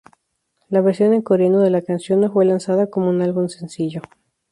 La versión en coreano de la canción no fue lanzada como un álbum sencillo.